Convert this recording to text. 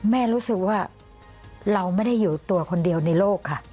รู้สึกว่าเราไม่ได้อยู่ตัวคนเดียวในโลกค่ะ